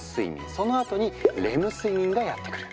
そのあとにレム睡眠がやって来る。